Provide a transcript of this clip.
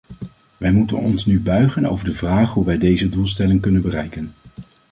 Wij moeten ons nu buigen over de vraag hoe wij deze doelstelling kunnen bereiken.